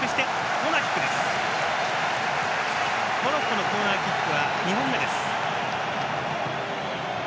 モロッコのコーナーキックは２本目です。